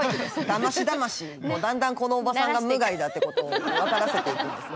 だましだましだんだんこのおばさんが無害だってことを分からせてですね。